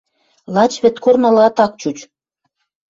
Лач вӹд корнылаат ак чуч.